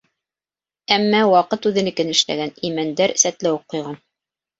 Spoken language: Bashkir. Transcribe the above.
Әммә ваҡыт үҙенекен эшләгән: имәндәр сәтләүек ҡойған